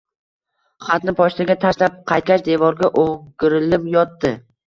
Xatni pochtaga tashlab qaytgach, devorga oʻgirilib yotdi